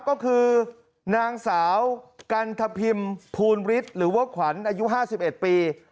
ก็คือนางสาวกันทพิมภูลฤทธิ์หรือว่าขวัญอายุ๕๑ปี